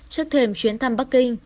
trước thềm chuyến thăm bắc kinh